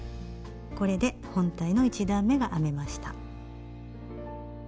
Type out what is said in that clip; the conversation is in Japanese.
これで本体の１段めが編めました。